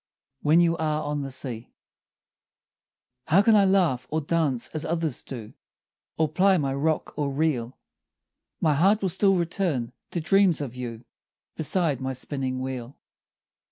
WHEN YOU ARE ON THE SEA How can I laugh or dance as others do, Or ply my rock or reel? My heart will still return to dreams of you Beside my spinning wheel.